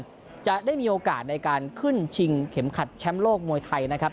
จะได้มีโอกาสในการขึ้นชิงเข็มขัดแชมป์โลกมวยไทยนะครับ